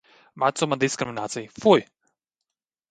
Vecuma diskriminācija. Fuj!